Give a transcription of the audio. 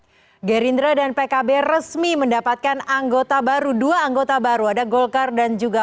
hai gerindra dan pkb resmi mendapatkan anggota baru dua anggota baru ada golkar dan juga